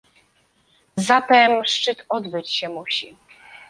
Zatem szczyt odbyć się musi